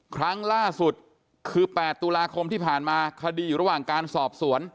ครั้งล่าสุดคือ๘ตุลาคมที่ผ่านมาคดีอยู่ระหว่างการสอบสวน